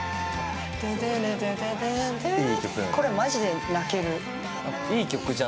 これマジで泣ける。